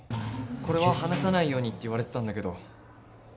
これは話さないようにって言われてたんだけど。